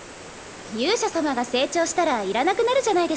勇者様が成長したらいらなくなるじゃないですか。